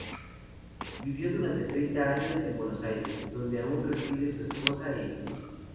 Vivió durante treinta años en Buenos Aires, donde aún residen su esposa e hijos.